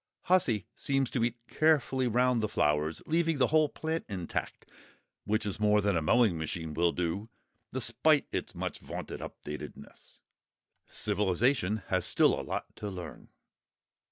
"Hussy" seems to eat carefully round the flowers, leaving the whole plant intact, which is more than a mowing machine will do, despite its much vaunted up to dateness. Civilisation has still a lot to learn.